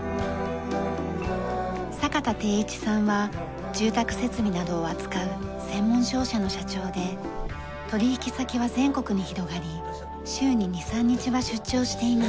阪田貞一さんは住宅設備などを扱う専門商社の社長で取引先は全国に広がり週に２３日は出張しています。